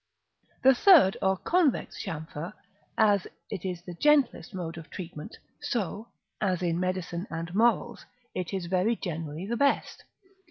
§ IX. The third, or convex chamfer, as it is the gentlest mode of treatment, so (as in medicine and morals) it is very generally the best.